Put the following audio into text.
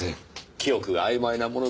記憶が曖昧なもので。